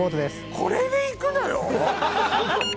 これで行くのよ？